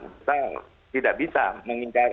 kita tidak bisa mengingat